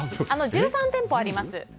１３店舗あります。